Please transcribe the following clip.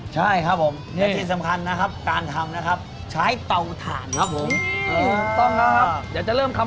ใช่ครับผม